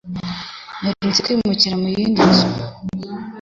Mperutse kwimukira muyindi nzu.